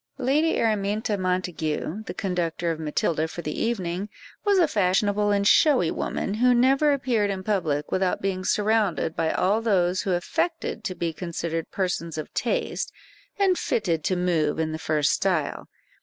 Lady Araminta Montague, the conductor of Matilda for the evening, was a fashionable and showy woman, who never appeared in public without being surrounded by all those who affected to be considered persons of taste, and fitted to move in the first style.